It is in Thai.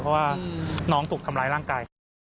เพราะว่าน้องถูกทำร้ายร่างกาย